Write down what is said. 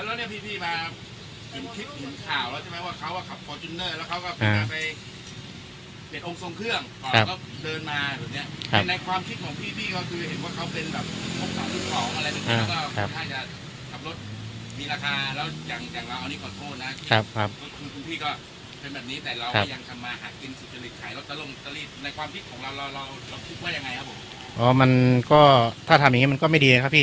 ครับครับคุณคุณพี่ก็เป็นแบบนี้แต่เราว่ายังจะมาหากินสุขภิกษ์ขายรถตะลงตะลีในความคิดของเราเราเราคิดว่ายังไงครับผมอ๋อมันก็ถ้าทำอย่างงี้มันก็ไม่ดีนะครับพี่